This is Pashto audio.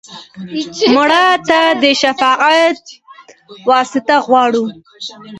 مړه ته د شفاعت واسطه غواړو